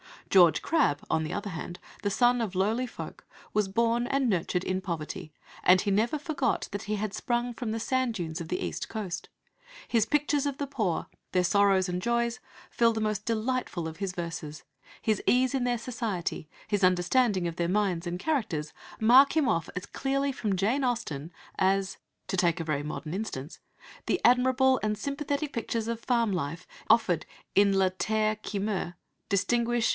George Crabbe, on the other hand, the son of lowly folk, was born and nurtured in poverty, and he never forgot that he had sprung from the sand dunes of the East Coast. His pictures of the poor, their sorrows and joys, fill the most delightful of his verses; his ease in their society, his understanding of their minds and characters mark him off as clearly from Jane Austen as to take a very modern instance the admirable and sympathetic pictures of farm life in la Vendée offered in La Terre qui meurt distinguish M.